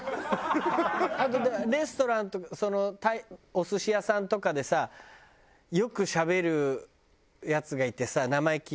あとレストランとかお寿司屋さんとかでさよくしゃべるヤツがいてさ生意気